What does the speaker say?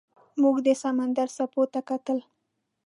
موږ د سمندر څپو ته کتل.